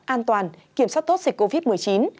an toàn kiểm soát tốt dịch covid một mươi chín